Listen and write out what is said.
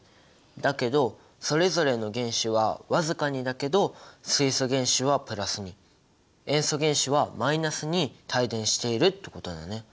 だけどそれぞれの原子はわずかにだけど水素原子はプラスに塩素原子はマイナスに帯電しているってことだね。